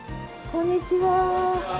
こんにちは。